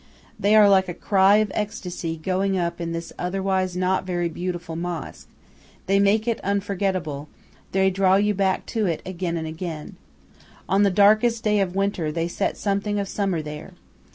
They are like a cry of ecstasy going up in this otherwise not very beautiful mosque; they make it unforgettable, they draw you back to it again and yet again. On the darkest day of winter they set something of summer there.